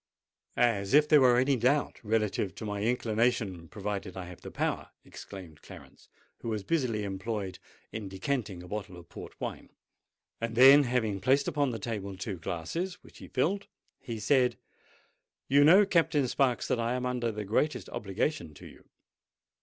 "As if there were any doubt relative to my inclination, provided I have the power," exclaimed Clarence, who was busily employed in decanting a bottle of port wine: then, having placed upon the table two glasses, which he filled, he said, "You know, Captain Sparks, that I am under the greatest obligation to you.